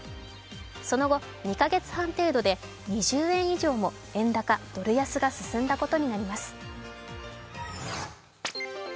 その後、２か月半程度で２０円以上も円高・ドル安が進んだことになります。